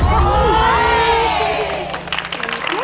เธอ